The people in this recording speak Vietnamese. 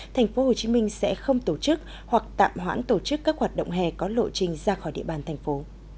tp hcm sẽ không tổ chức hoặc tạm hoãn tổ chức các hoạt động hè có lộ trình ra khỏi địa bàn thành phố